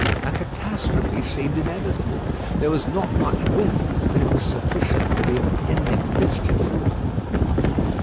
A catastrophe seemed inevitable. There was not much wind, but it was sufficient for the impending mischief.